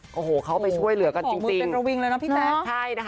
ของมือเป็นกระวิงเลยนะพี่แป๊ก